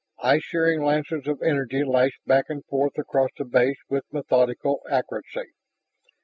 Eye searing lances of energy lashed back and forth across the base with methodical accuracy.